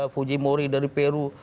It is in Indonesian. fujimori dari peru